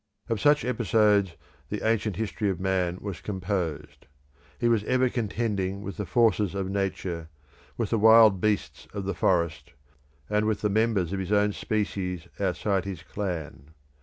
Of such episodes the ancient history of man was composed. He was ever contending with the forces of nature, with the wild beasts of the forest, and with the members of his own species outside his clan.